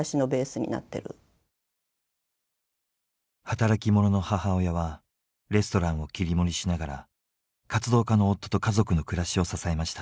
働き者の母親はレストランを切り盛りしながら活動家の夫と家族の暮らしを支えました。